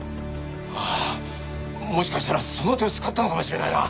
ああもしかしたらその手を使ったのかもしれないな。